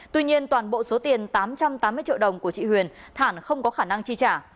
tuy nhiên toàn bộ số tiền tám trăm tám mươi triệu đồng của chị huyền thản không có khả năng chi trả